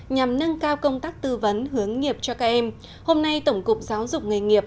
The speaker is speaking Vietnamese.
nhằm nâng cao công tác tư vấn hướng nghiệp cho các em hôm nay tổng cục giáo dục nghề nghiệp